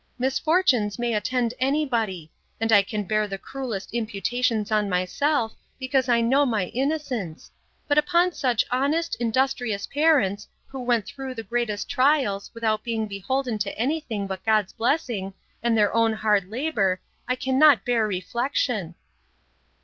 Misfortunes may attend any body: And I can bear the cruellest imputations on myself, because I know my innocence; but upon such honest, industrious parents, who went through the greatest trials, without being beholden to any thing but God's blessing, and their own hard labour; I cannot bear reflection.